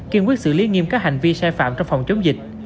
kiên quyết xử lý nghiêm các hành vi sai phạm trong phòng chống dịch